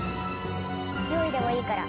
４いでもいいから。